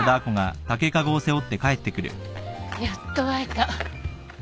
やっと会えた。